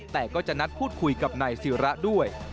แต่ก็จะนัดพูดคุยกับนายศิระด้วย